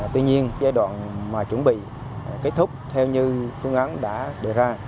tuy nhiên giai đoạn mà chuẩn bị kết thúc theo như phương án đã đề ra